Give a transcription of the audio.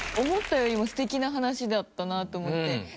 思ったよりも素敵な話だったなと思って。